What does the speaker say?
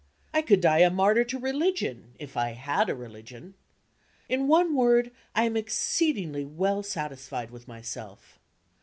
I could die a martyr to religion if I had a religion. In one word, I am exceedingly well satisfied with myself.